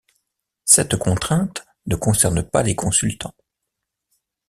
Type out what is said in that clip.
Cette contrainte ne concerne pas les consultants.